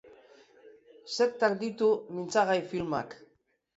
Sektak ditu mintzagai filmak.